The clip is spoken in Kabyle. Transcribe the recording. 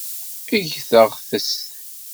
Eg taɣtest.